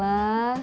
saya mau setol